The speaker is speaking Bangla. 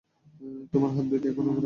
তোমার হাত দুইটা এখানে রাখো।